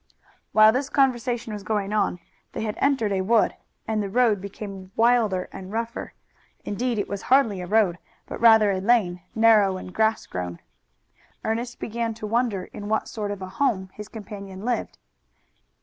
While this conversation was going on they had entered a wood, and the road became wilder and rougher. Indeed, it was hardly a road, but rather a lane, narrow and grass grown. Ernest began to wonder in what sort of a home his companion lived.